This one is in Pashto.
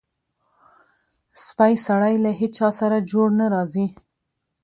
سپی سړی له هېچاسره جوړ نه راځي.